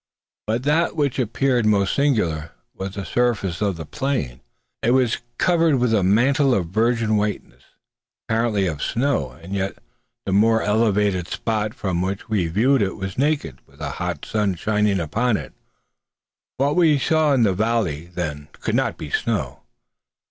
But that which appeared most singular was the surface of the plain. It was covered with a mantle of virgin whiteness, apparently of snow; and yet the more elevated spot from which we viewed it was naked, with a hot sun shining upon it. What we saw in the valley, then, could not be snow.